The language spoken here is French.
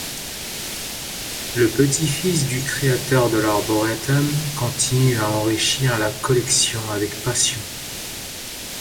Le petit-fils du créateur de l'arboretum continue à enrichir la collection avec passion.